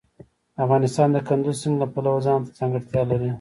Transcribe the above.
افغانستان د کندز سیند له پلوه ځانته ځانګړتیا لري.